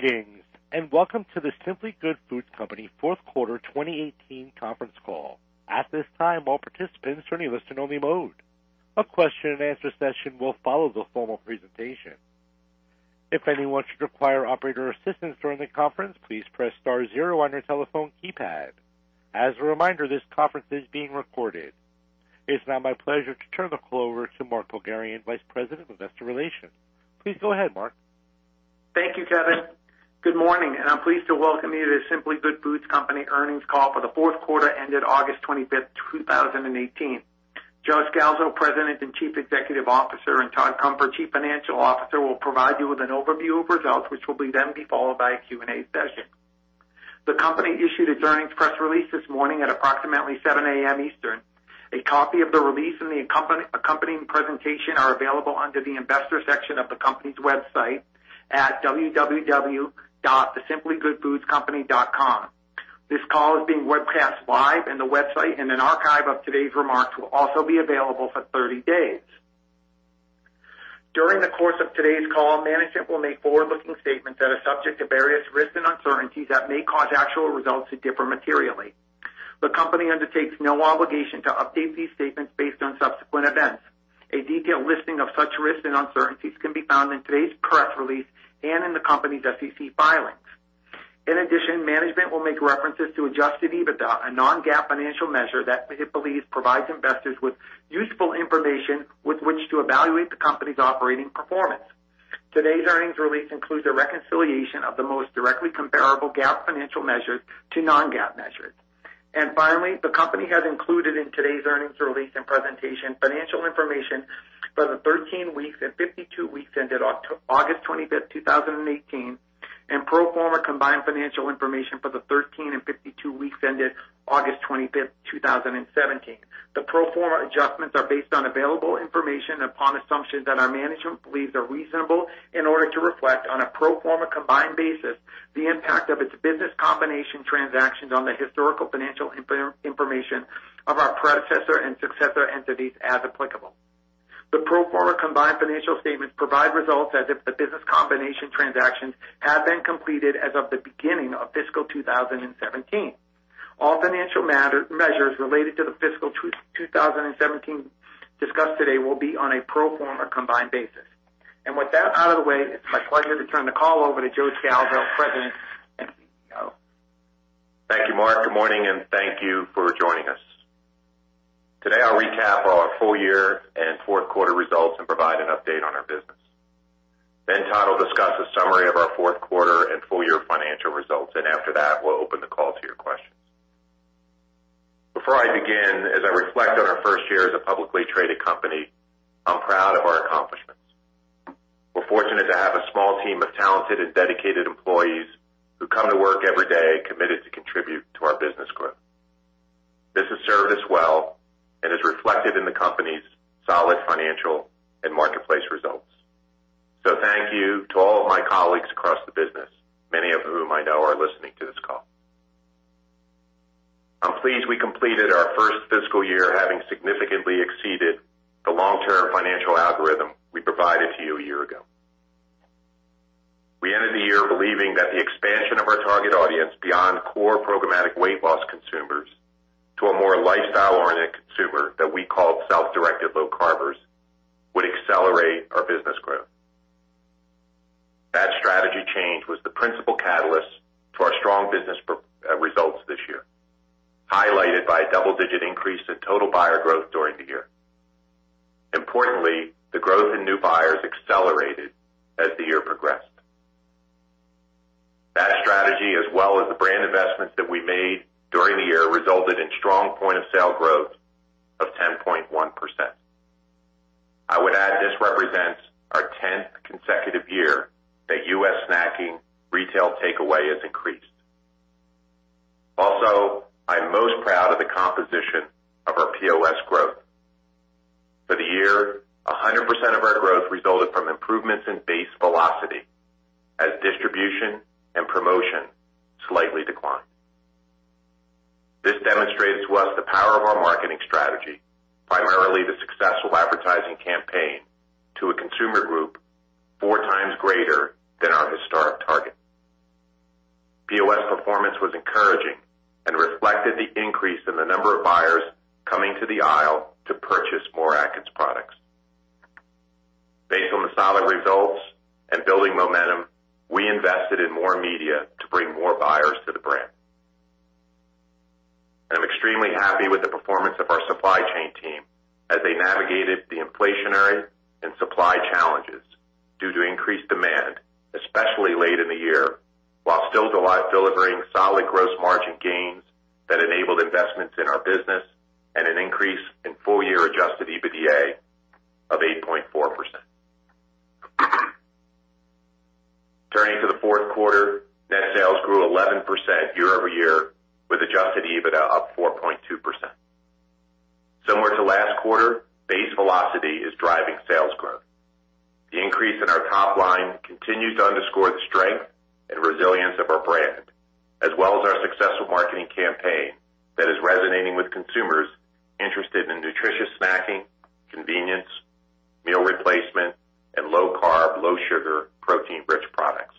Greetings, and welcome to The Simply Good Foods Company fourth quarter 2018 conference call. At this time, all participants are in a listen-only mode. A question and answer session will follow the formal presentation. If anyone should require operator assistance during the conference, please press star zero on your telephone keypad. As a reminder, this conference is being recorded. It's now my pleasure to turn the call over to Mark Pogharian, Vice President of Investor Relations. Please go ahead, Mark. Thank you, Kevin. Good morning. I'm pleased to welcome you to The Simply Good Foods Company earnings call for the fourth quarter ended August 25, 2018. Joseph Scalzo, President and Chief Executive Officer, and Todd Cunfer, Chief Financial Officer, will provide you with an overview of results, which will then be followed by a Q&A session. The company issued its earnings press release this morning at approximately 7:00 A.M. Eastern. A copy of the release and the accompanying presentation are available under the investor section of the company's website at www.thesimplygoodfoodscompany.com. This call is being webcast live and the website and an archive of today's remarks will also be available for 30 days. During the course of today's call, management will make forward-looking statements that are subject to various risks and uncertainties that may cause actual results to differ materially. The company undertakes no obligation to update these statements based on subsequent events. A detailed listing of such risks and uncertainties can be found in today's press release and in the company's SEC filings. In addition, management will make references to adjusted EBITDA, a non-GAAP financial measure that it believes provides investors with useful information with which to evaluate the company's operating performance. Finally, the company has included in today's earnings release and presentation financial information for the 13 weeks and 52 weeks ended August 25, 2018, and pro forma combined financial information for the 13 and 52 weeks ended August 25, 2017. The pro forma adjustments are based on available information upon assumptions that our management believes are reasonable in order to reflect, on a pro forma combined basis, the impact of its business combination transactions on the historical financial information of our predecessor and successor entities as applicable. The pro forma combined financial statements provide results as if the business combination transactions had been completed as of the beginning of fiscal 2017. All financial measures related to the fiscal 2017 discussed today will be on a pro forma combined basis. With that out of the way, it's my pleasure to turn the call over to Joseph Scalzo, President and CEO. Thank you, Mark. Good morning, and thank you for joining us. Today, I'll recap our full year and fourth quarter results and provide an update on our business. Todd will discuss a summary of our fourth quarter and full year financial results, and after that, we'll open the call to your questions. Before I begin, as I reflect on our first year as a publicly traded company, I'm proud of our accomplishments. We're fortunate to have a small team of talented and dedicated employees who come to work every day committed to contribute to our business growth. This has served us well and is reflected in the company's solid financial and marketplace results. Thank you to all of my colleagues across the business, many of whom I know are listening to this call. I'm pleased we completed our first fiscal year having significantly exceeded the long-term financial algorithm we provided to you a year ago. We ended the year believing that the expansion of our target audience beyond core programmatic weight loss consumers to a more lifestyle-oriented consumer that we call self-directed low carbers would accelerate our business growth. That strategy change was the principal catalyst to our strong business results this year, highlighted by a double-digit increase in total buyer growth during the year. Importantly, the growth in new buyers accelerated as the year progressed. That strategy, as well as the brand investments that we made during the year, resulted in strong point of sale growth of 10.1%. I would add this represents our tenth consecutive year that U.S. snacking retail takeaway has increased. Also, I'm most proud of the composition of our POS growth. For the year, 100% of our growth resulted from improvements in base velocity as distribution and promotion slightly declined. This demonstrates to us the power of our marketing strategy, primarily the successful advertising campaign to a consumer group four times greater than our historic target. POS performance was encouraging and reflected the increase in the number of buyers coming to the aisle to purchase more Atkins products. Based on the solid results and building momentum, we invested in more media to bring more buyers to the brand. I'm extremely happy with the performance of our supply chain team as they navigated the inflationary and supply challenges due to increased demand, especially late in the year, while still delivering solid gross margin gains that enabled investments in our business and an increase in full-year adjusted EBITDA of 8.4%. Turning to the fourth quarter, net sales grew 11% year-over-year, with adjusted EBITDA up 4.2%. Similar to last quarter, base velocity is driving sales growth. The increase in our top line continues to underscore the strength and resilience of our brand, as well as our successful marketing campaign that is resonating with consumers: Meal replacement and low carb, low sugar, protein-rich products.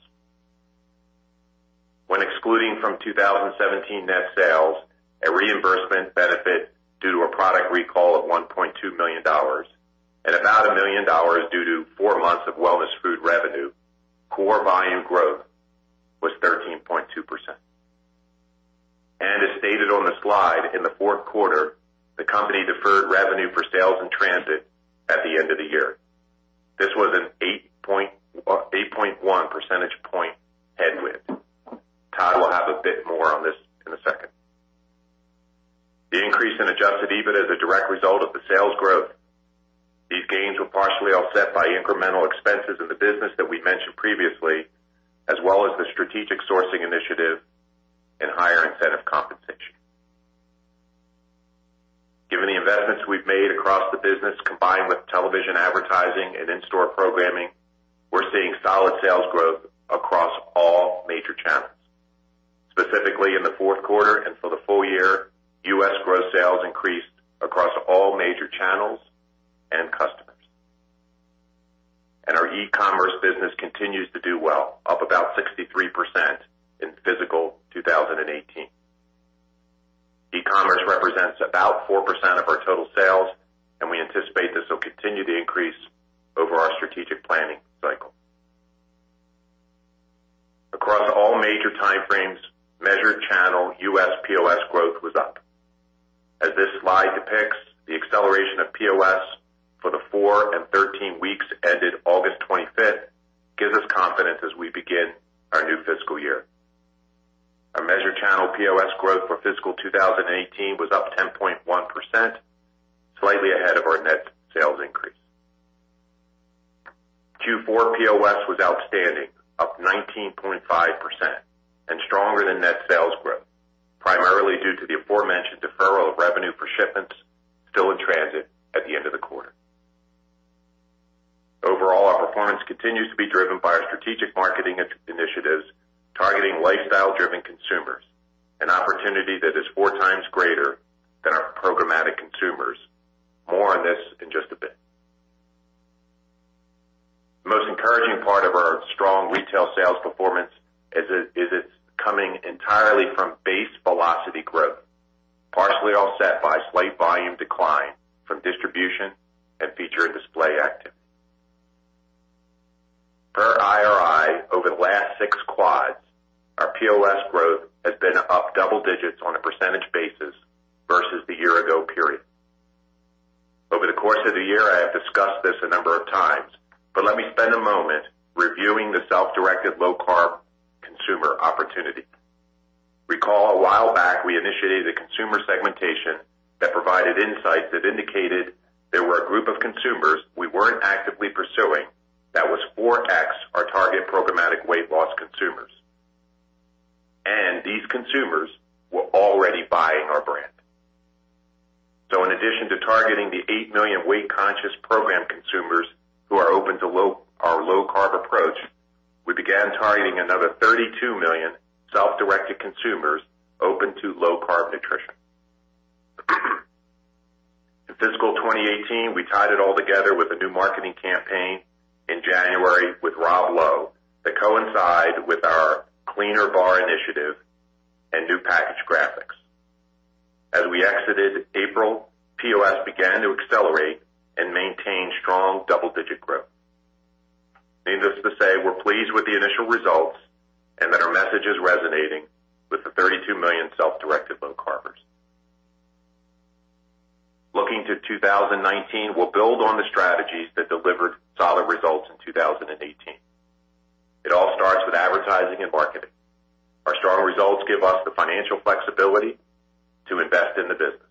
When excluding from 2017 net sales a reimbursement benefit due to a product recall of $1.2 million and about $1 million due to four months of Wellness Foods revenue, core volume growth was 13.2%. As stated on the slide, in the fourth quarter, the company deferred revenue for sales in transit at the end of the year. This was an 8.1 percentage point headwind. Todd will have a bit more on this in a second. The increase in adjusted EBITDA is a direct result of the sales growth. These gains were partially offset by incremental expenses in the business that we mentioned previously, as well as the strategic sourcing initiative and higher incentive compensation. Given the investments we've made across the business, combined with television advertising and in-store programming, we're seeing solid sales growth across all major channels. Specifically, in the fourth quarter and for the full year, U.S. gross sales increased across all major channels and customers. Our e-commerce business continues to do well, up about 63% in fiscal 2018. E-commerce represents about 4% of our total sales, and we anticipate this will continue to increase over our strategic planning cycle. Across all major timeframes, measured channel U.S. POS growth was up. As this slide depicts, the acceleration of POS for the four and 13 weeks ended August 25th gives us confidence as we begin our new fiscal year. Our measured channel POS growth for fiscal 2018 was up 10.1%, slightly ahead of our net sales increase. Q4 POS was outstanding, up 19.5% and stronger than net sales growth, primarily due to the aforementioned deferral of revenue for shipments still in transit at the end of the quarter. Overall, our performance continues to be driven by our strategic marketing initiatives targeting lifestyle-driven consumers, an opportunity that is four times greater than our programmatic consumers. More on this in just a bit. The most encouraging part of our strong retail sales performance is it's coming entirely from base velocity growth, partially offset by a slight volume decline from distribution and feature and display active. Per IRI, over the last six quads, our POS growth has been up double digits on a percentage basis versus the year ago period. Over the course of the year, I have discussed this a number of times, but let me spend a moment reviewing the self-directed low carb consumer opportunity. Recall a while back, we initiated a consumer segmentation that provided insights that indicated there were a group of consumers we weren't actively pursuing that was 4x our target programmatic weight loss consumers. These consumers were already buying our brand. In addition to targeting the 8 million weight-conscious program consumers who are open to our low carb approach, we began targeting another 32 million self-directed consumers open to low carb nutrition. In fiscal 2018, we tied it all together with a new marketing campaign in January with Rob Lowe that coincided with our cleaner bar initiative and new package graphics. As we exited April, POS began to accelerate and maintain strong double-digit growth. Needless to say, we're pleased with the initial results and that our message is resonating with the 32 million self-directed low carbers. Looking to 2019, we'll build on the strategies that delivered solid results in 2018. It all starts with advertising and marketing. Our strong results give us the financial flexibility to invest in the business.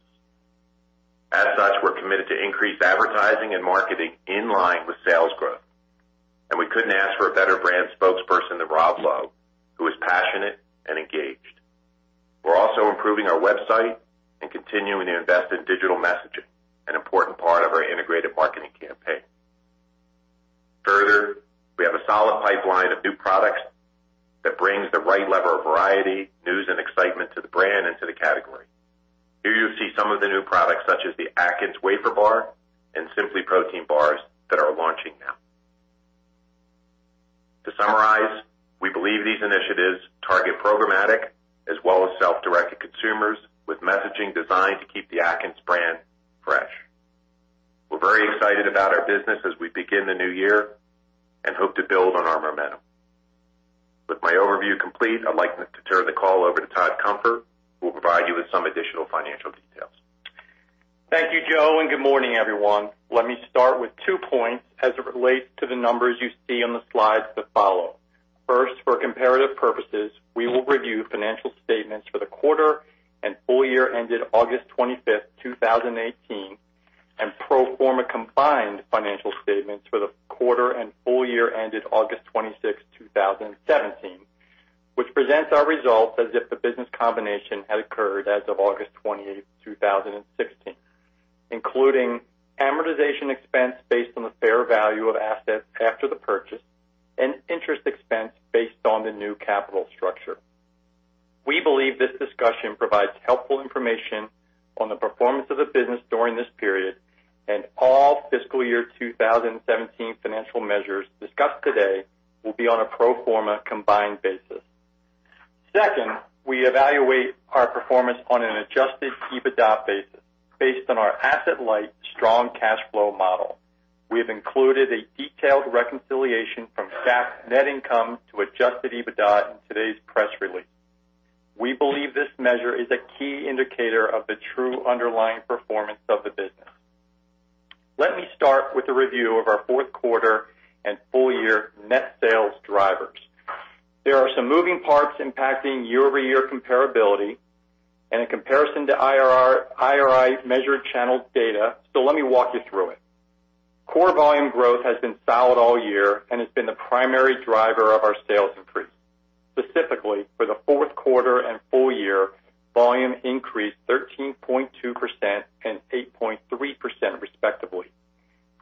As such, we're committed to increase advertising and marketing in line with sales growth, we couldn't ask for a better brand spokesperson than Rob Lowe, who is passionate and engaged. We're also improving our website and continuing to invest in digital messaging, an important part of our integrated marketing campaign. Further, we have a solid pipeline of new products that brings the right level of variety, news, and excitement to the brand and to the category. Here you see some of the new products, such as the Atkins Wafer Bar and SimplyProtein bars that are launching now. To summarize, we believe these initiatives target programmatic as well as self-directed consumers with messaging designed to keep the Atkins brand fresh. We're very excited about our business as we begin the new year and hope to build on our momentum. With my overview complete, I'd like to turn the call over to Todd Cunfer, who will provide you with some additional financial details. Thank you, Joe, and good morning, everyone. Let me start with two points as it relates to the numbers you see on the slides that follow. First, for comparative purposes, we will review financial statements for the quarter and full year ended August 25, 2018, and pro forma combined financial statements for the quarter and full year ended August 26, 2017, which presents our results as if the business combination had occurred as of August 28, 2016, including amortization expense based on the fair value of assets after the purchase and interest expense based on the new capital structure. We believe this discussion provides helpful information on the performance of the business during this period, and all fiscal year 2017 financial measures discussed today will be on a pro forma combined basis. Second, we evaluate our performance on an adjusted EBITDA basis based on our asset-light strong cash flow model. We have included a detailed reconciliation from GAAP net income to adjusted EBITDA in today's press release. We believe this measure is a key indicator of the true underlying performance of the business. Let me start with a review of our fourth quarter and full-year net sales drivers. There are some moving parts impacting year-over-year comparability and in comparison to IRI measured channel data, so let me walk you through it. Core volume growth has been solid all year and has been the primary driver of our sales increase. Specifically, for the fourth quarter and full year, volume increased 13.2% and 8.3% respectively.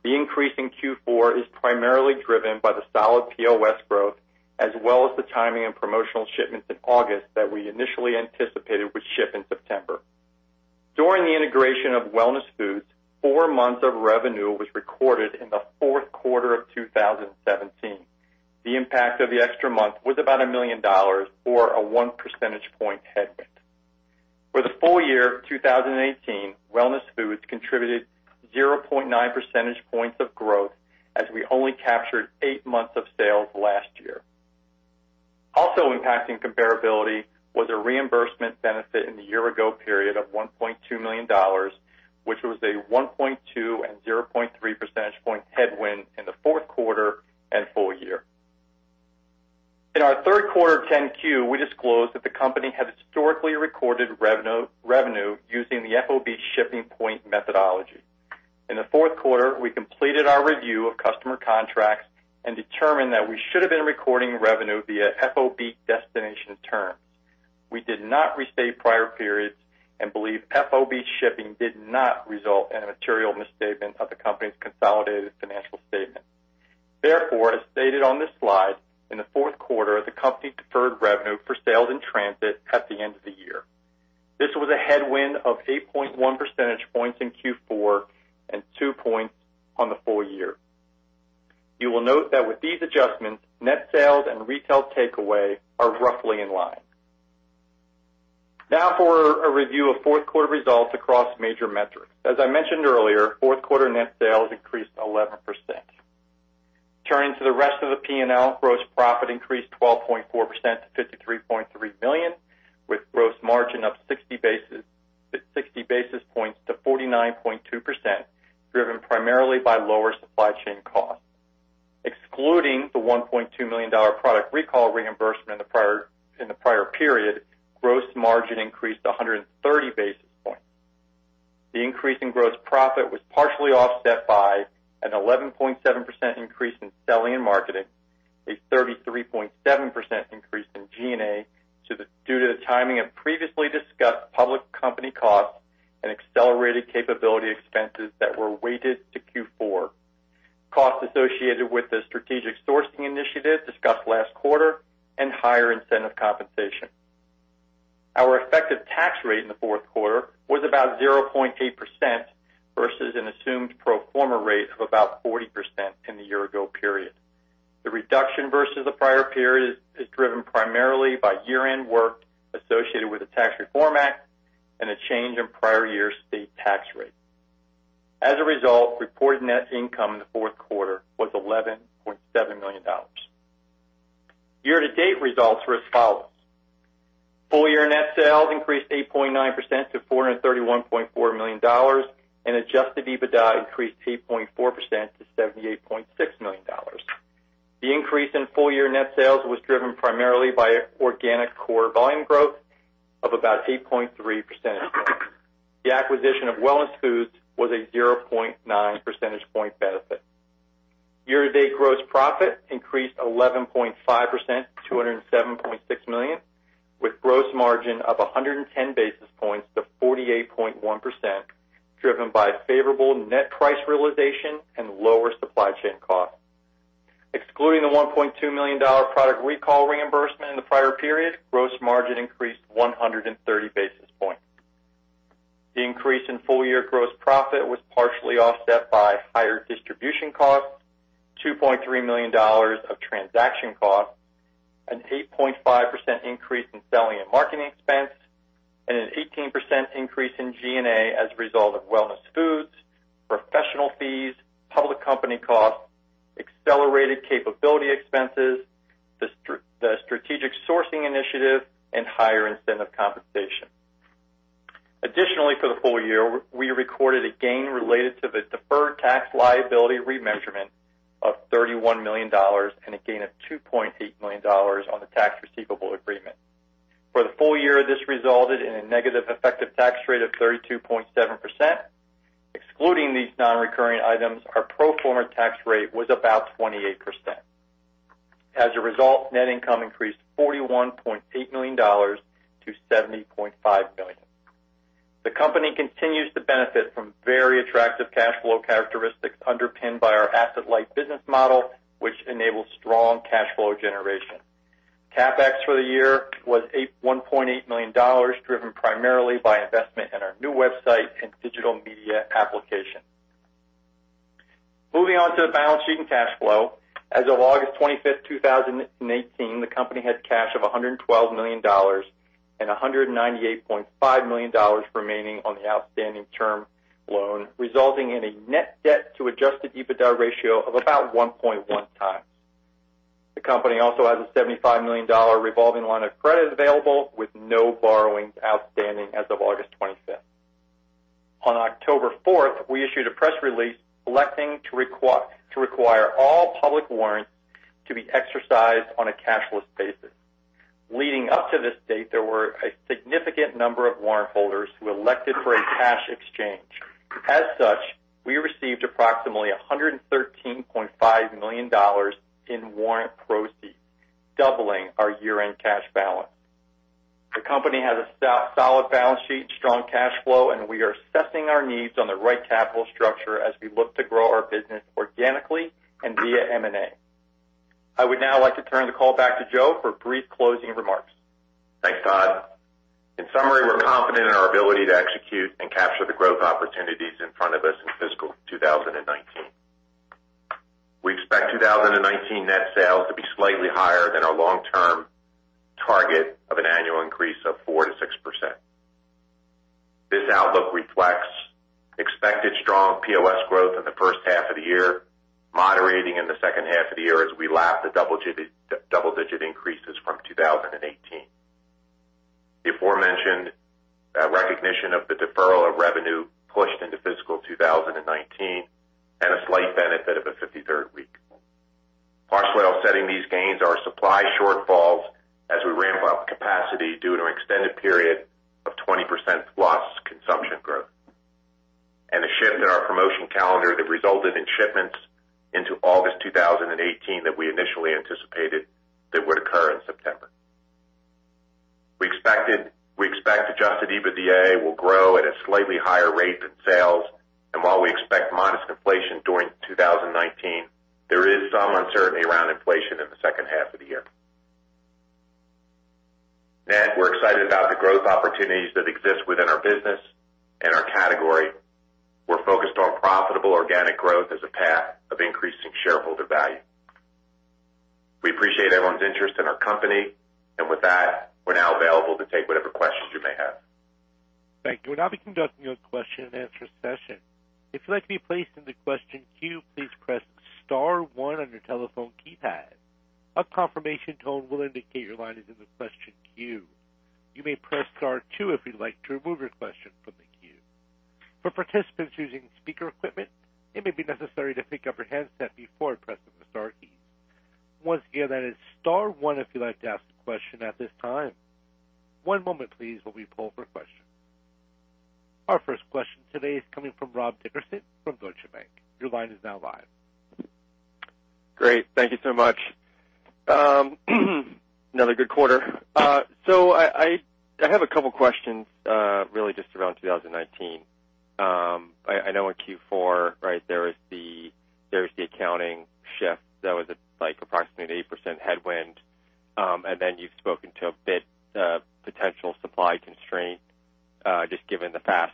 The increase in Q4 is primarily driven by the solid POS growth, as well as the timing of promotional shipments in August that we initially anticipated would ship in September. During the integration of Wellness Foods, four months of revenue was recorded in the fourth quarter of 2017. The impact of the extra month was about $1 million, or a one percentage point headwind. For the full year of 2018, Wellness Foods contributed 0.9 percentage points of growth as we only captured eight months of sales last year. Also impacting comparability was a reimbursement benefit in the year-ago period of $1.2 million, which was a 1.2 and 0.3 percentage point headwind in the fourth quarter and full year. In our third quarter 10-Q, we disclosed that the company had historically recorded revenue using the FOB shipping point methodology. In the fourth quarter, we completed our review of customer contracts and determined that we should have been recording revenue via FOB destination terms. We did not restate prior periods and believe FOB shipping point did not result in a material misstatement of the company's consolidated financial statement. Therefore, as stated on this slide, in the fourth quarter, the company deferred revenue for sales in transit at the end of the year. This was a headwind of 8.1 percentage points in Q4 and two points on the full year. You will note that with these adjustments, net sales and retail takeaway are roughly in line. Now for a review of fourth quarter results across major metrics. As I mentioned earlier, fourth quarter net sales increased 11%. Turning to the rest of the P&L, gross profit increased 12.4% to $53.3 million, with gross margin up 60 basis points to 49.2%, driven primarily by lower supply chain costs. Excluding the $1.2 million product recall reimbursement in the prior period, gross margin increased 130 basis points. The increase in gross profit was partially offset by an 11.7% increase in selling and marketing, a 33.7% increase in G&A due to the timing of previously discussed public company costs and accelerated capability expenses that were weighted to Q4. Costs associated with the strategic sourcing initiative discussed last quarter and higher incentive compensation. Our effective tax rate in the fourth quarter was about 0.8% versus an assumed pro forma rate of about 40% in the year-ago period. The reduction versus the prior period is driven primarily by year-end work associated with the Tax Reform Act and a change in prior year's state tax rate. As a result, reported net income in the fourth quarter was $11.7 million. Year-to-date results were as follows: full-year net sales increased 8.9% to $431.4 million, and adjusted EBITDA increased 8.4% to $78.6 million. The increase in full-year net sales was driven primarily by organic core volume growth of about 8.3%. The acquisition of Wellness Foods was a 0.9 percentage point benefit. Year-to-date gross profit increased 11.5% to $207.6 million, with gross margin up 110 basis points to 48.1%, driven by favorable net price realization and lower supply chain costs. Excluding the $1.2 million product recall reimbursement in the prior period, gross margin increased 130 basis points. The increase in full-year gross profit was partially offset by higher distribution costs, $2.3 million of transaction costs, an 8.5% increase in selling and marketing expense, and an 18% increase in G&A as a result of Wellness Foods, professional fees, public company costs, accelerated capability expenses, the strategic sourcing initiative, and higher incentive compensation. Additionally, for the full year, we recorded a gain related to the deferred tax liability remeasurement of $31 million and a gain of $2.8 million on the tax receivable agreement. For the full year, this resulted in a negative effective tax rate of 32.7%. Excluding these non-recurring items, our pro forma tax rate was about 28%. As a result, net income increased $41.8 million to $70.5 million. The company continues to benefit from very attractive cash flow characteristics underpinned by our asset-light business model, which enables strong cash flow generation. CapEx for the year was $1.8 million, driven primarily by investment in our new website and digital media application. Moving on to the balance sheet and cash flow. As of August 25th, 2018, the company had cash of $112 million and $198.5 million remaining on the outstanding term loan, resulting in a net debt to adjusted EBITDA ratio of about 1.1 times. The company also has a $75 million revolving line of credit available with no borrowings outstanding as of August 25th. On October 4th, we issued a press release electing to require all public warrants to be exercised on a cashless basis. Leading up to this date, there were a significant number of warrant holders who elected for a cash exchange. As such, we received approximately $113.5 million in warrant proceeds, doubling our year-end cash balance. The company has a solid balance sheet, strong cash flow, and we are assessing our needs on the right capital structure as we look to grow our business organically and via M&A. I would now like to turn the call back to Joe for brief closing remarks. Thanks, Todd. In summary, we're confident in our ability to execute and capture the growth opportunities in front of us in fiscal 2019. We expect 2019 net sales to be slightly higher than our long-term target of an annual increase of 4%-6%. This outlook reflects expected strong POS growth in the first half of the year, moderating in the second half of the year as we lap the double-digit increases from 2018. The aforementioned recognition of the deferral of revenue pushed into fiscal 2019 and a slight benefit of a 53rd week. Partially offsetting these gains are supply shortfalls as we ramp up capacity due to an extended period of 20% loss consumption growth, and a shift in our promotion calendar that resulted in shipments into August 2018 that we initially anticipated that would occur in September. We expect adjusted EBITDA will grow at a slightly higher rate than sales. While we expect modest inflation during 2019, there is some uncertainty around inflation in the second half of the year. Matt, we're excited about the growth opportunities that exist within our business and our category. We're focused on profitable organic growth as a path of increasing shareholder value. We appreciate everyone's interest in our company. With that, we're now available to take whatever questions you may have. Thank you. We'll now be conducting a question and answer session. If you'd like to be placed in the question queue, please press star 1 on your telephone keypad. A confirmation tone will indicate your line is in the question queue. You may press star 2 if you'd like to remove your question from the queue. For participants using speaker equipment, it may be necessary to pick up your handset before pressing the star keys. Once again, that is star 1 if you'd like to ask a question at this time. One moment please while we pull for a question. Our first question today is coming from Rob Dickerson from Deutsche Bank. Your line is now live. Great. Thank you so much. Another good quarter. I have a couple questions, really just around 2019. I know in Q4, there was the accounting shift that was approximately an 8% headwind. And then you've spoken to a bit potential supply constraint, just given the past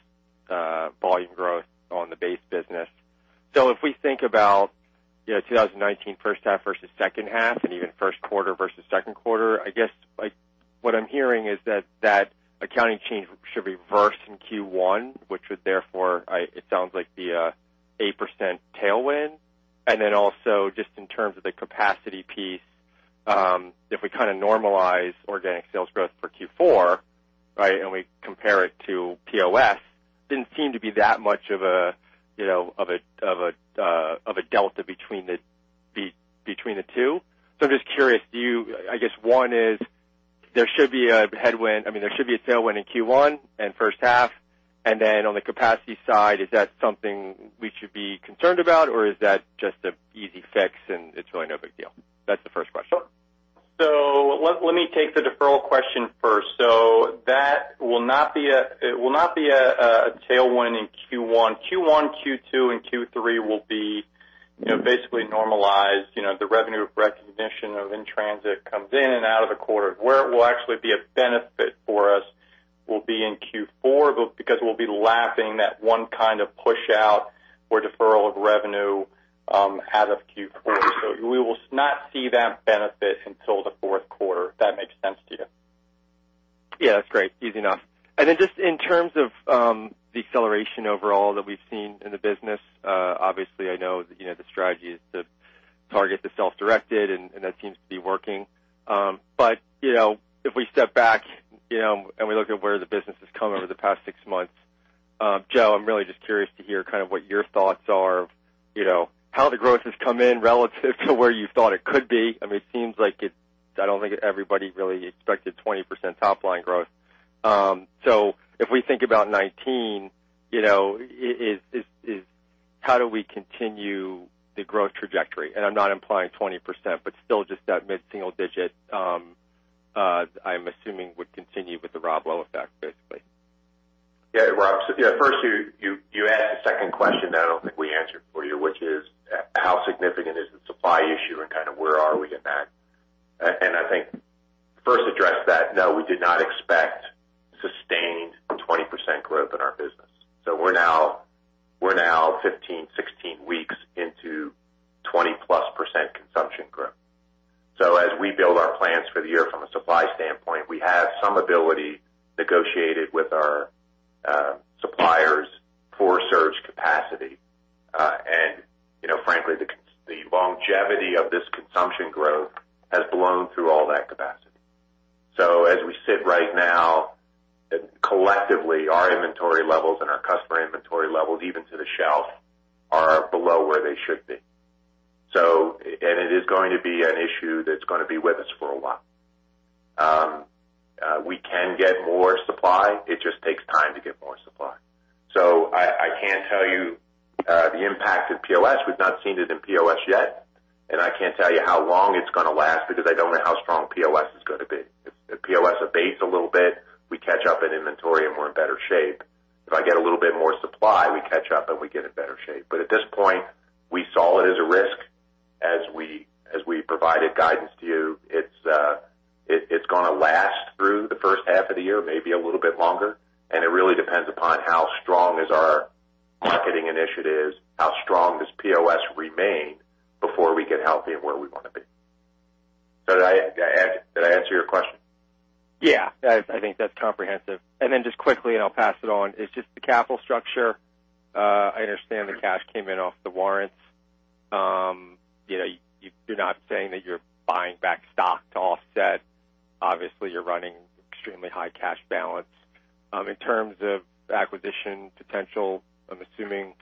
volume growth on the base business. If we think about 2019 first half versus second half, and even first quarter versus second quarter, I guess what I'm hearing is that that accounting change should reverse in Q1, which would therefore, it sounds like, be a 8% tailwind. And then also just in terms of the capacity piece, if we kind of normalize organic sales growth for Q4, and we compare it to POS, didn't seem to be that much of a delta between the two. I'm just curious, I guess one is there should be a tailwind in Q1 and first half. On the capacity side, is that something we should be concerned about or is that just an easy fix and it's really no big deal? That's the first question. Let me take the deferral question first. That will not be a tailwind in Q1. Q1, Q2, and Q3 will be basically normalized. The revenue recognition of in-transit comes in and out of the quarter. Where it will actually be a benefit for us will be in Q4, because we'll be lapping that one kind of push out for deferral of revenue out of Q4. We will not see that benefit until the fourth quarter, if that makes sense to you. Yeah, that's great. Easy enough. Just in terms of the acceleration overall that we've seen in the business, obviously I know the strategy is to target the self-directed, and that seems to be working. If we step back and we look at where the business has come over the past six months, Joe, I'm really just curious to hear kind of what your thoughts are of how the growth has come in relative to where you thought it could be. It seems like I don't think everybody really expected 20% top-line growth. If we think about 2019 is how do we continue the growth trajectory? I'm not implying 20%, but still just that mid-single digit, I'm assuming would continue with the Rob Lowe effect, basically. Yeah, Rob. First, you asked the second question that I don't think we answered for you, which is how significant is the supply issue and kind of where are we in that? I think first address that, no, we did not expect sustained 20% growth in our business. We're now 15, 16 weeks into 20-plus % consumption growth. As we build our plans for the year from a supply standpoint, we have some ability negotiated with our suppliers for surge capacity. Frankly, the longevity of this consumption growth has blown through all that capacity. As we sit right now, collectively, our inventory levels and our customer inventory levels, even to the shelf, are below where they should be. It is going to be an issue that's going to be with us for a while. We can get more supply. It just takes time to get more supply. I can't tell you the impact in POS. We've not seen it in POS yet, and I can't tell you how long it's going to last because I don't know how strong POS is going to be. If POS abates a little bit, we catch up in inventory and we're in better shape. If I get a little bit more supply, we catch up and we get in better shape. At this point, we saw it as a risk as we provided guidance to you. It's going to last through the first half of the year, maybe a little bit longer, and it really depends upon how strong is our marketing initiatives, how strong does POS remain before we get healthy and where we want to be. Did I answer your question? Yeah. I think that's comprehensive. Just quickly, and I'll pass it on, is just the capital structure. I understand the cash came in off the warrants. You're not saying that you're buying back stock to offset. Obviously, you're running extremely high cash balance. In terms of acquisition potential, I'm assuming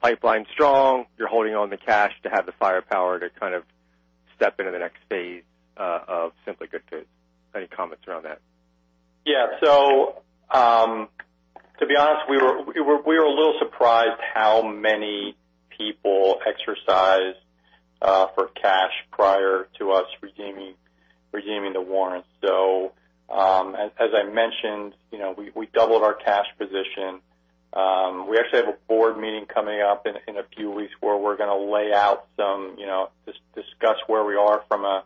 pipeline's strong. You're holding on the cash to have the firepower to kind of step into the next phase of The Simply Good Foods Company. Any comments around that? To be honest, we were a little surprised how many people exercised for cash prior to us redeeming the warrants. As I mentioned, we doubled our cash position. We actually have a board meeting coming up in a few weeks where we're going to lay out some, discuss where we are from a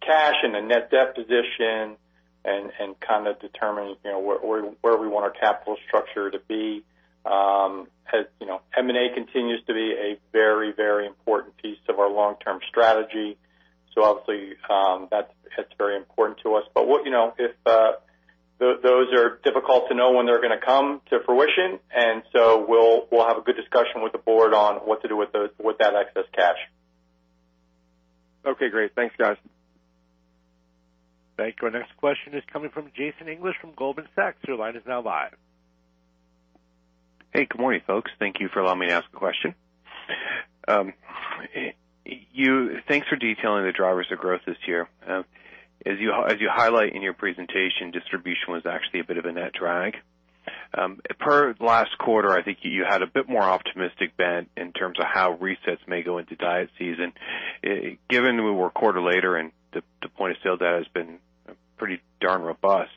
cash and a net debt position and kind of determine where we want our capital structure to be. M&A continues to be a very, very important piece of our long-term strategy. Obviously, that's very important to us. Those are difficult to know when they're going to come to fruition, and we'll have a good discussion with the board on what to do with that excess cash. Great. Thanks, guys. Thank you. Our next question is coming from Jason English from Goldman Sachs. Your line is now live. Good morning, folks. Thank you for allowing me to ask a question. Thanks for detailing the drivers of growth this year. As you highlight in your presentation, distribution was actually a bit of a net drag. Per last quarter, I think you had a bit more optimistic bent in terms of how resets may go into diet season. Given that we're a quarter later and the point of sale data has been pretty darn robust,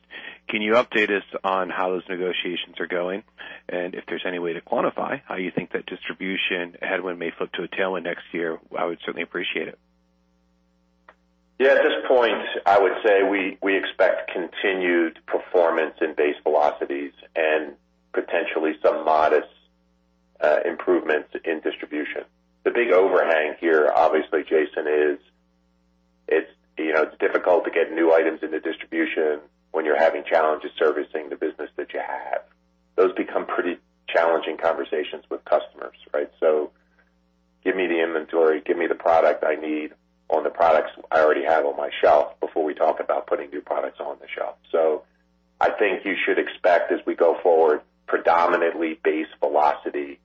can you update us on how those negotiations are going? If there's any way to quantify how you think that distribution headwind may flip to a tailwind next year, I would certainly appreciate it. Yeah. At this point, I would say we expect continued performance in base velocities and potentially some modest improvements in distribution. The big overhang here, obviously, Jason, is it's difficult to get new items into distribution when you're having challenges servicing the business that you have. Those become pretty challenging conversations with customers, right? Give me the inventory, give me the product I need on the products I already have on my shelf before we talk about putting new products on the shelf. I think you should expect as we go forward, predominantly base velocity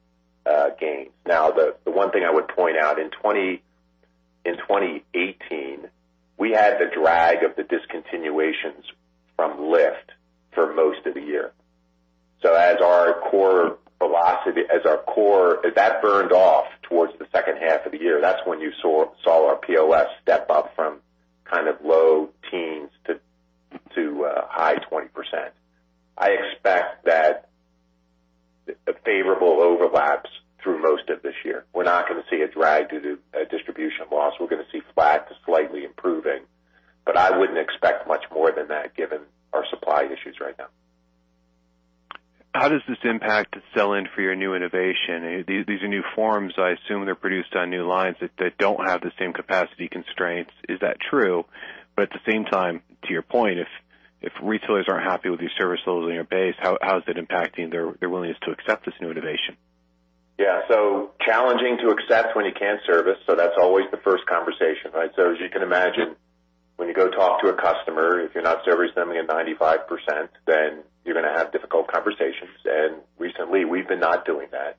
gains. Now, the one thing I would point out, in 2018, we had the drag of the discontinuations from Lift for most of the year. As our core velocity, that burned off towards the second half of the year. That's when you saw our POS step up from kind of low teens to high 20%. I expect that the favorable overlaps through most of this year. We're not going to see a drag due to distribution loss. We're going to see flat to slightly improving, but I wouldn't expect much more than that given our supply issues right now. How does this impact the sell-in for your new innovation? These are new forms. I assume they're produced on new lines that don't have the same capacity constraints. Is that true? At the same time, to your point, if retailers aren't happy with your service levels and your base, how is it impacting their willingness to accept this new innovation? Yeah. Challenging to accept when you can't service. That's always the first conversation, right? As you can imagine, when you go talk to a customer, if you're not servicing them at 95%, then you're going to have difficult conversations. Recently, we've been not doing that.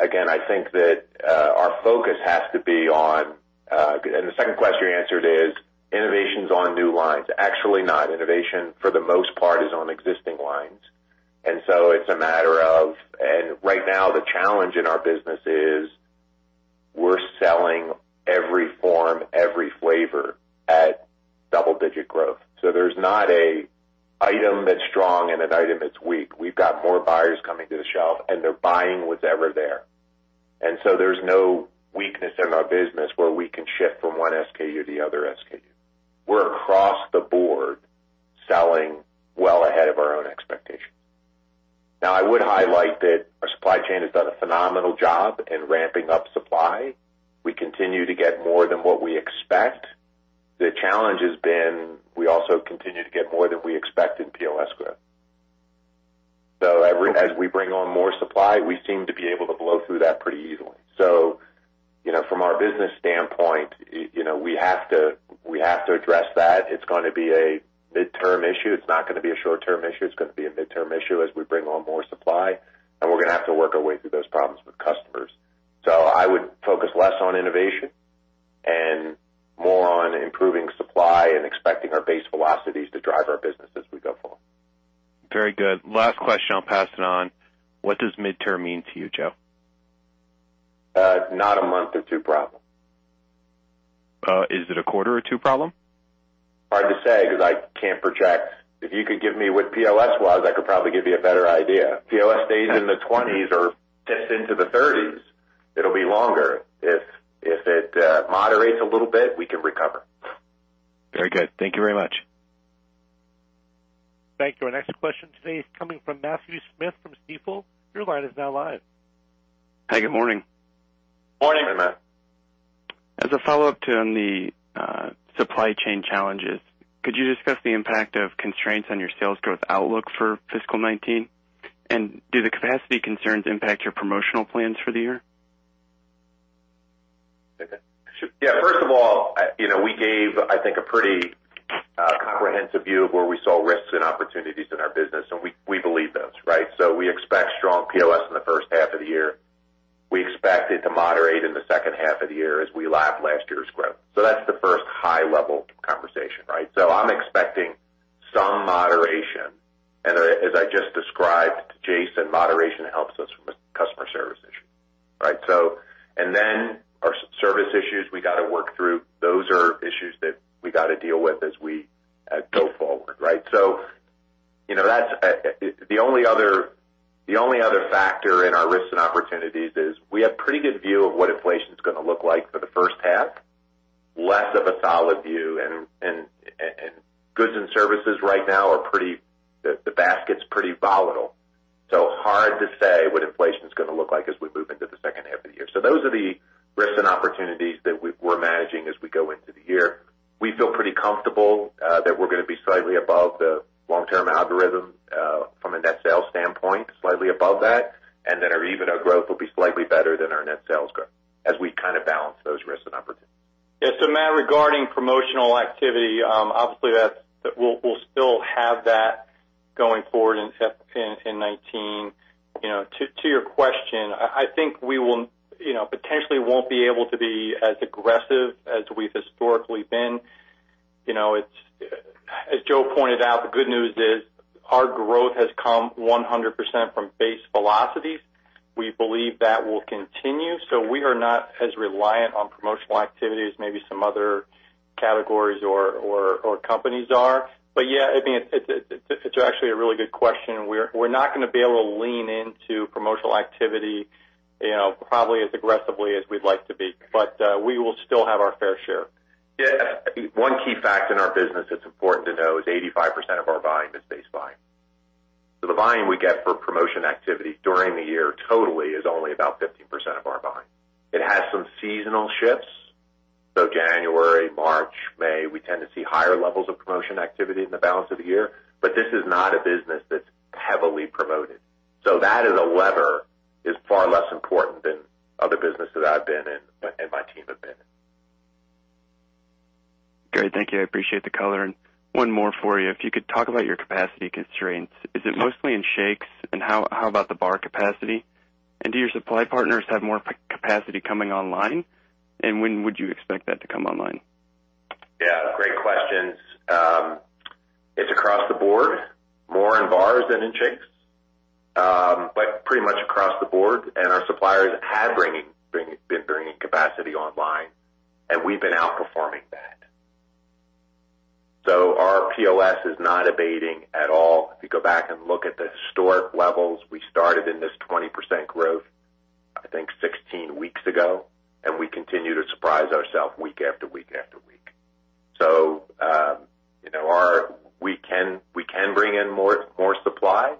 Again, I think that our focus has to be on. The second question you answered is innovations on new lines. Actually not. Innovation, for the most part, is on existing lines. It's a matter of, right now the challenge in our business is we're selling every form, every flavor at double-digit growth. There's not an item that's strong and an item that's weak. We've got more buyers coming to the shelf, and they're buying what's ever there. There's no weakness in our business where we can shift from one SKU to the other SKU. We're across the board selling well ahead of our own expectation. I would highlight that our supply chain has done a phenomenal job in ramping up supply. We continue to get more than what we expect. The challenge has been we also continue to get more than we expect in POS growth. As we bring on more supply, we seem to be able to blow through that pretty easily. From our business standpoint, we have to address that. It's going to be a midterm issue. It's not going to be a short-term issue. It's going to be a midterm issue as we bring on more supply, and we're going to have to work our way through those problems with customers. I would focus less on innovation and more on improving supply and expecting our base velocities to drive our business as we go forward. Very good. Last question, I'll pass it on. What does midterm mean to you, Joe? Not a month or two problem. Is it a quarter or two problem? Hard to say because I can't project. If you could give me what POS was, I could probably give you a better idea. If POS stays in the twenties or dips into the thirties, it'll be longer. If it moderates a little bit, we can recover. Very good. Thank you very much. Thank you. Our next question today is coming from Matthew Smith from Stifel. Your line is now live. Hey, good morning. Morning. Morning, Matt. As a follow-up to the supply chain challenges, could you discuss the impact of constraints on your sales growth outlook for fiscal 2019? Do the capacity concerns impact your promotional plans for the year? Yeah. First of all, we gave, I think, a pretty comprehensive view of where we saw risks and opportunities in our business, and we believe those. We expect strong POS in the first half of the year. We expect it to moderate in the second half of the year as we lap last year's growth. That's the first high-level conversation. I'm expecting some moderation. As I just described to Jason, moderation helps us from a customer service issue. Then our service issues we got to work through. Those are issues that we got to deal with as we go forward. The only other factor in our risks and opportunities is we have pretty good view of what inflation is going to look like for the first half, less of a solid view and goods and services right now are pretty. The basket's pretty volatile. Hard to say what inflation is going to look like as we move into the second half of the year. Those are the risks and opportunities that we're managing as we go into the year. We feel pretty comfortable that we're going to be slightly above the long-term algorithm from a net sales standpoint, slightly above that, and that our EBITDA growth will be slightly better than our net sales growth as we kind of balance those risks and opportunities. Regarding promotional activity, obviously we'll still have that going forward in 2019. To your question, I think we potentially won't be able to be as aggressive as we've historically been. As Joe pointed out, the good news is our growth has come 100% from base velocities. We believe that will continue. We are not as reliant on promotional activity as maybe some other categories or companies are. Yeah, it's actually a really good question. We're not going to be able to lean into promotional activity probably as aggressively as we'd like to be, we will still have our fair share. Yeah. One key fact in our business that's important to know is 85% of our volume is base volume. The volume we get for promotion activity during the year totally is only about 15% of our volume. It has some seasonal shifts. January, March, May, we tend to see higher levels of promotion activity than the balance of the year. This is not a business that's heavily promoted. That as a lever is far less important than other businesses I've been in and my team have been in. Great. Thank you. I appreciate the color. One more for you. If you could talk about your capacity constraints, is it mostly in shakes, how about the bar capacity? Do your supply partners have more capacity coming online? When would you expect that to come online? Yeah, great questions. It's across the board, more in bars than in shakes, pretty much across the board. Our suppliers have been bringing capacity online, we've been outperforming that. Our POS is not abating at all. If you go back and look at the historic levels, we started in this 20% growth, I think, 16 weeks ago, we continue to surprise ourselves week after week after week. We can bring in more supply.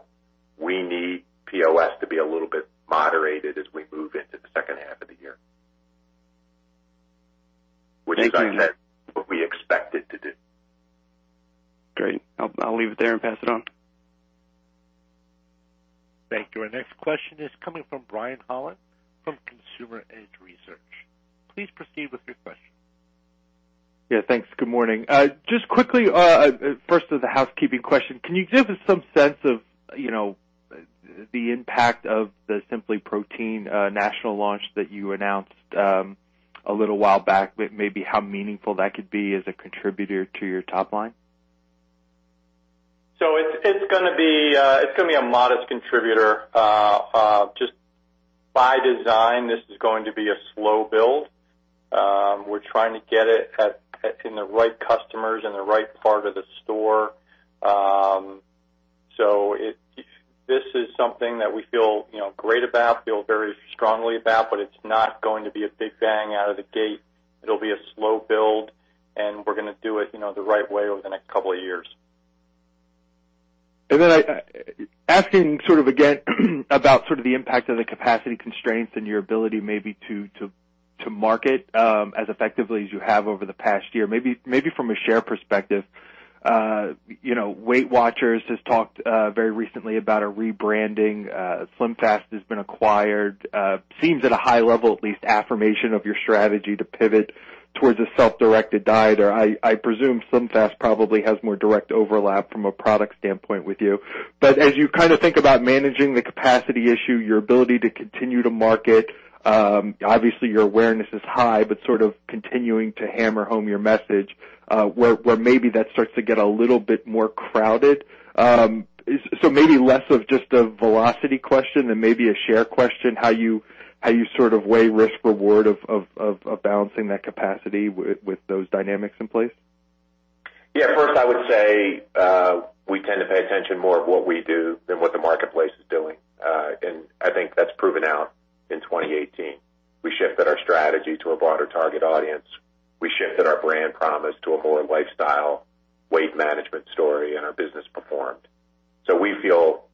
We need POS to be a little bit moderated as we move into the second half of the year. Which, as I said, what we expected to do. Great. I'll leave it there and pass it on. Thank you. Our next question is coming from Brian Holland from Consumer Edge Research. Please proceed with your question. Yeah. Thanks. Good morning. Just quickly, first with the housekeeping question, can you give us some sense of the impact of the SimplyProtein national launch that you announced a little while back, maybe how meaningful that could be as a contributor to your top line? It's going to be a modest contributor. Just by design, this is going to be a slow build. We're trying to get it in the right customers, in the right part of the store. This is something that we feel great about, feel very strongly about, but it's not going to be a big bang out of the gate. It'll be a slow build, and we're going to do it the right way over the next couple of years. Asking sort of, again about sort of the impact of the capacity constraints and your ability maybe to market as effectively as you have over the past year, maybe from a share perspective. Weight Watchers has talked very recently about a rebranding. SlimFast has been acquired. Seems at a high level, at least, affirmation of your strategy to pivot towards a self-directed dieter. I presume SlimFast probably has more direct overlap from a product standpoint with you. As you kind of think about managing the capacity issue, your ability to continue to market, obviously your awareness is high, but sort of continuing to hammer home your message where maybe that starts to get a little bit more crowded. Maybe less of just a velocity question than maybe a share question, how you sort of weigh risk/reward of balancing that capacity with those dynamics in place. Yeah, first, I would say, we tend to pay attention more of what we do than what the marketplace is doing. I think that's proven out in 2018. We shifted our strategy to a broader target audience. We shifted our brand promise to a more lifestyle weight management story, and our business performed. We feel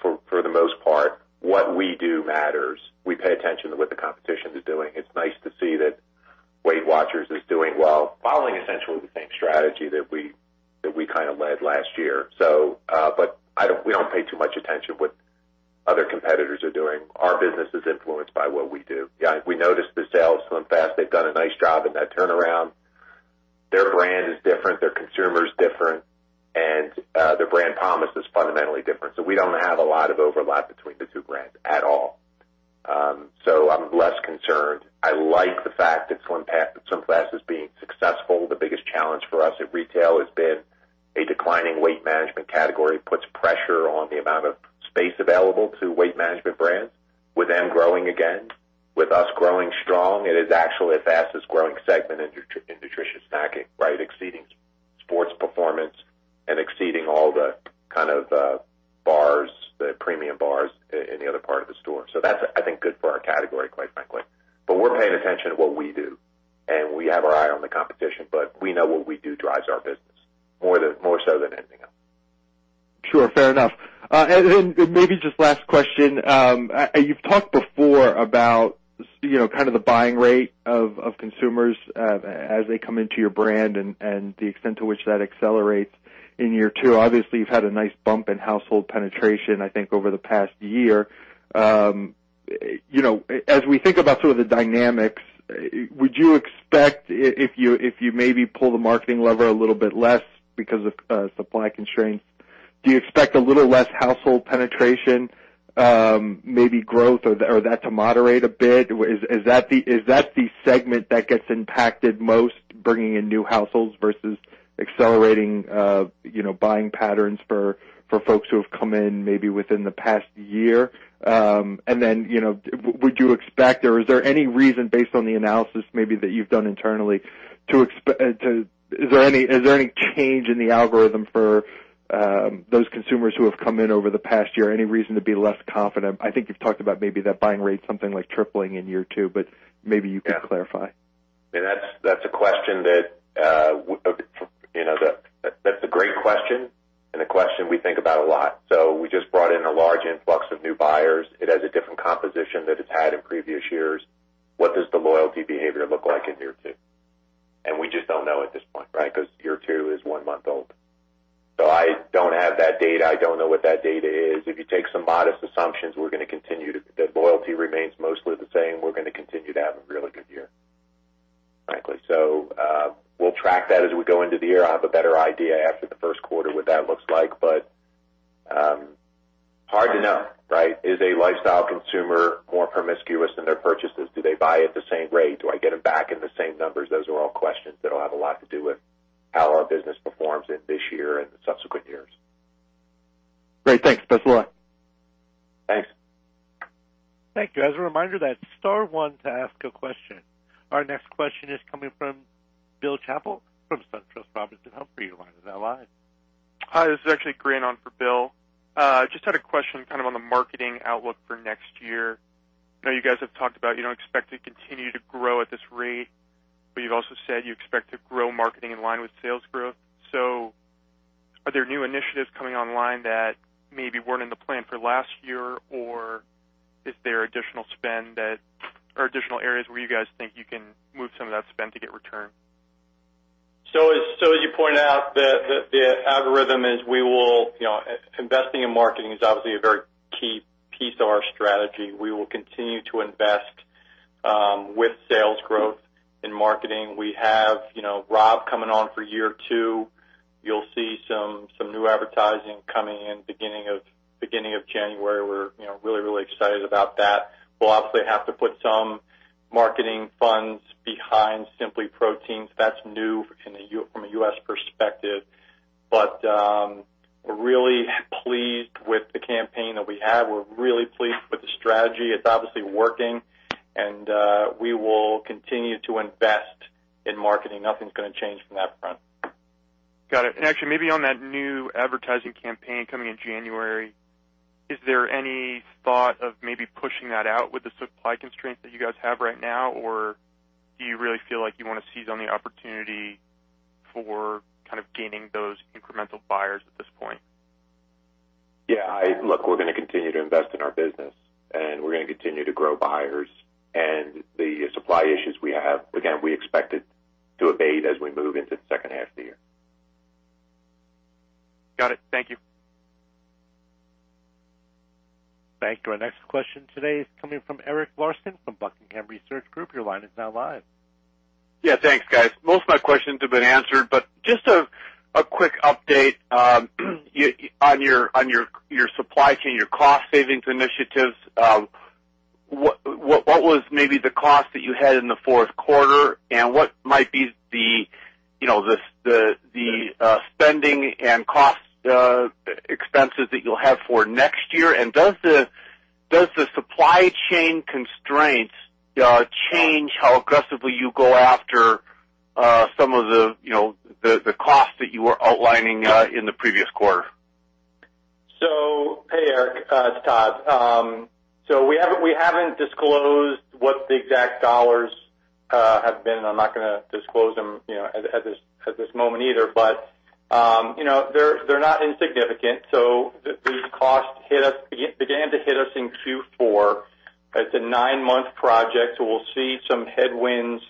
for the most part, what we do matters. We pay attention to what the competition is doing. It's nice to see that Weight Watchers is doing well, following essentially the same strategy that we kind of led last year. We don't pay too much attention to what other competitors are doing. Our business is influenced by what we do. We noticed the sales. SlimFast, they've done a nice job in that turnaround. Their brand is different, their consumer is different, do you expect a little less household penetration, maybe growth or that to moderate a bit? Is that the segment that gets impacted most, bringing in new households versus accelerating buying patterns for folks who have come in maybe within the past year? Would you expect or is there any reason based on the analysis maybe that you've done internally, is there any change in the algorithm for those consumers who have come in over the past year? Any reason to be less confident? I think you've talked about maybe that buying rate something like tripling in year 2, maybe you could clarify. Yeah. That's a great question and a question we think about a lot. We just brought in a large influx of new buyers. It has a different composition than it's had in previous years. What does the loyalty behavior look like in year 2? We just don't know at this point, right? Because year 2 is one month old. I don't have that data. I don't know what that data is. If you take some modest assumptions, if the loyalty remains mostly the same, we're going to continue to have a really good year, frankly. We'll track that as we go into the year. I'll have a better idea after the first quarter what that looks like, hard to know, right? Is a lifestyle consumer more promiscuous in their purchases? Do they buy at the same rate? Do I get them back in the same numbers? Those are all questions that'll have a lot to do with how our business performs in this year and subsequent years. Great. Thanks. Thanks a lot. Thanks. Thank you. As a reminder, that's star one to ask a question. Our next question is coming from Bill Chappell from SunTrust Robinson Humphrey. Your line is now live. Hi, this is actually Grant on for Bill. Had a question kind of on the marketing outlook for next year. I know you guys have talked about you don't expect to continue to grow at this rate, you've also said you expect to grow marketing in line with sales growth. Are there new initiatives coming online that maybe weren't in the plan for last year? Is there additional spend or additional areas where you guys think you can move some of that spend to get return? The algorithm is investing in marketing is obviously a very key piece of our strategy. We will continue to invest with sales growth in marketing. We have Rob coming on for year two. You'll see some new advertising coming in beginning of January. We're really excited about that. We'll obviously have to put some marketing funds behind SimplyProtein. That's new from a U.S. perspective, we're really pleased with the campaign that we have. We're really pleased with the strategy. It's obviously working, we will continue to invest in marketing. Nothing's going to change from that front. Got it. actually, maybe on that new advertising campaign coming in January, is there any thought of maybe pushing that out with the supply constraints that you guys have right now? Do you really feel like you want to seize on the opportunity for gaining those incremental buyers at this point? Yeah. Look, we're going to continue to invest in our business, and we're going to continue to grow buyers. The supply issues we have, again, we expect it to abate as we move into the second half of the year. Got it. Thank you. Thank you. Our next question today is coming from Eric Larson from Buckingham Research Group. Your line is now live. Yeah, thanks, guys. Most of my questions have been answered, but just a quick update on your supply chain, your cost savings initiatives. What was maybe the cost that you had in the fourth quarter, and what might be the spending and cost expenses that you'll have for next year? Does the supply chain constraints change how aggressively you go after some of the costs that you were outlining in the previous quarter? Hey, Eric. It's Todd. We haven't disclosed what the exact $ have been. I'm not going to disclose them at this moment either. They're not insignificant. These costs began to hit us in Q4. It's a nine-month project, we'll see some headwinds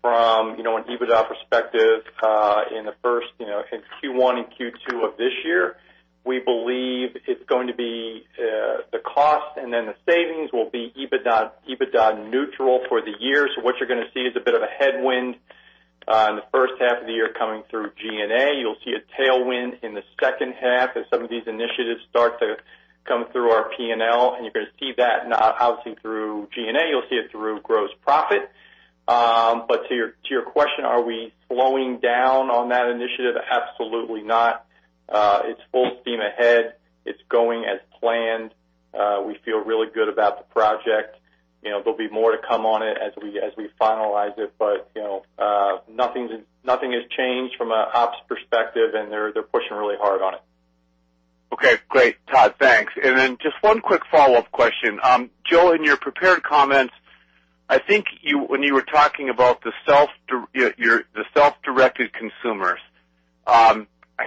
from an EBITDA perspective in Q1 and Q2 of this year. We believe it's going to be the cost, and then the savings will be EBITDA neutral for the year. What you're going to see is a bit of a headwind in the first half of the year coming through G&A. You'll see a tailwind in the second half as some of these initiatives start to come through our P&L, and you're going to see that not obviously through G&A. You'll see it through gross profit. To your question, are we slowing down on that initiative? Absolutely not. It's full steam ahead. It's going as planned. We feel really good about the project. There'll be more to come on it as we finalize it, but nothing has changed from an ops perspective, and they're pushing really hard on it. Okay, great, Todd. Thanks. Just one quick follow-up question. Joe, in your prepared comments, I think when you were talking about the self-directed consumers,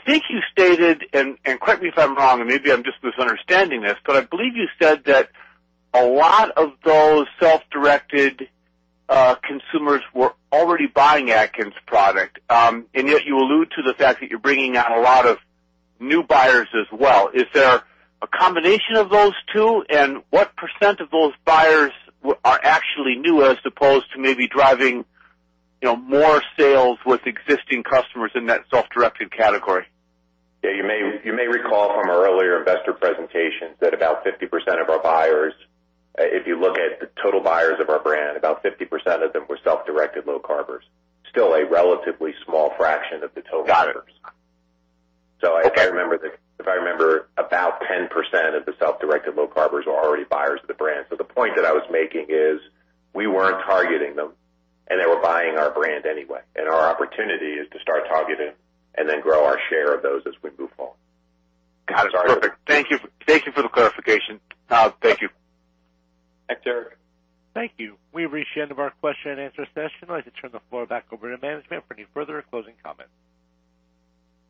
I think you stated, and correct me if I'm wrong, and maybe I'm just misunderstanding this, but I believe you said that a lot of those self-directed consumers were already buying Atkins product. Yet you allude to the fact that you're bringing on a lot of new buyers as well. Is there a combination of those two? What % of those buyers are actually new as opposed to maybe driving more sales with existing customers in that self-directed category? Yeah, you may recall from our earlier investor presentations that about 50% of our buyers, if you look at the total buyers of our brand, about 50% of them were self-directed low carbers. Still a relatively small fraction of the total buyers. Got it. Okay. If I remember, about 10% of the self-directed low carbers were already buyers of the brand. The point that I was making is we weren't targeting them, and they were buying our brand anyway, and our opportunity is to start targeting and then grow our share of those as we move forward. Got it. Perfect. Thank you for the clarification, Todd. Thank you. Thanks, Erik. Thank you. We've reached the end of our question and answer session. I'd like to turn the floor back over to management for any further closing comments.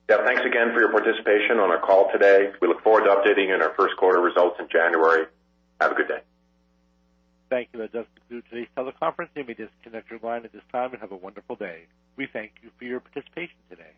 Yeah. Thanks again for your participation on our call today. We look forward to updating in our first quarter results in January. Have a good day. Thank you. That does conclude today's teleconference. You may disconnect your line at this time, and have a wonderful day. We thank you for your participation today.